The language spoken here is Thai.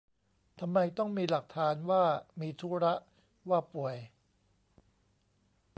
ทำไมต้องมีหลักฐานว่ามีธุระ ว่าป่วย